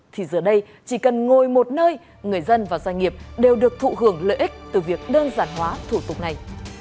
thì giờ đây chỉ cần ngồi một nơi người dân và doanh nghiệp đều được thụ hưởng lợi ích từ việc đơn giản hóa thủ tục này